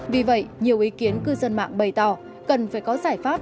vì vậy nhiều ý kiến cư dân mạng bày tỏ cần phải có giải pháp